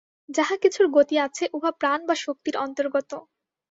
যাহা কিছুর গতি আছে, উহা প্রাণ বা শক্তির অন্তর্গত।